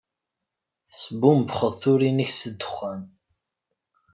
Tesbumbxeḍ turin-ik s ddexxan.